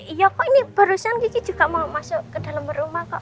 iya kok ini barusan kiki juga mau masuk ke dalam rumah kok